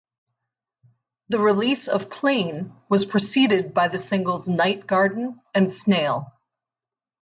The release of "Plain" was preceded by the singles "Night Garden" and "Snail".